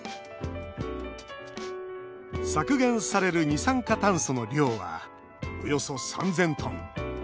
削減される二酸化炭素の量はおよそ３０００トン。